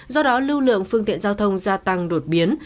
do đó lưu lượng phương tiện giao thông gia tăng đột biến